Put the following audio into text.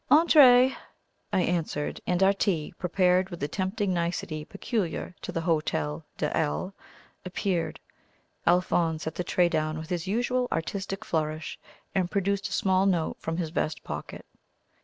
"Entrez!" I answered; and our tea, prepared with the tempting nicety peculiar to the Hotel de L , appeared. Alphonse set the tray down with his usual artistic nourish, and produced a small note from his vest pocket.